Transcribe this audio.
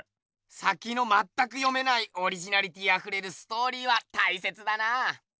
さきのまったく読めないオリジナリティーあふれるストーリーはたいせつだなぁ。